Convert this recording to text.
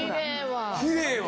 きれいわ。